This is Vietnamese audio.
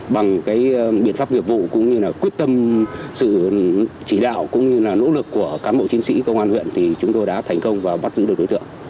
bằng biện pháp nghiệp vụ quyết tâm sự chỉ đạo nỗ lực của cán bộ chiến sĩ công an huyện chúng tôi đã thành công và bắt giữ được đối tượng